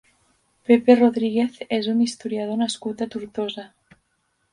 Pepe Rodríguez és un historiador nascut a Tortosa.